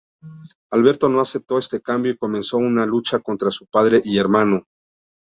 Alberto no aceptó este cambio y comenzó una lucha contra su padre y hermano.